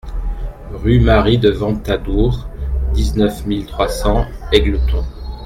Rue Marie de Ventadour, dix-neuf mille trois cents Égletons